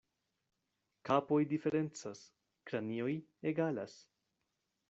Kapoj diferencas, kranioj egalas.